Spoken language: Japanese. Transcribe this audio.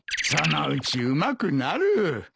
そのうちうまくなる。